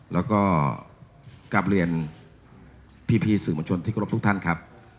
แล้วก็กลับเรียนพี่สื่อมวลชนที่เคารพทุกท่านครับ